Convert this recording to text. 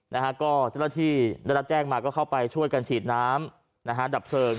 นะฮะก็เจ้าหน้าที่ได้รับแจ้งมาก็เข้าไปช่วยกันฉีดน้ำนะฮะดับเพลิง